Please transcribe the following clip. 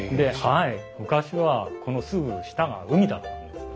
昔はこのすぐ下が海だったんです。